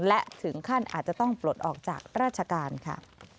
และถึงขั้นอาจจะต้องปลดออกจากราชการค่ะ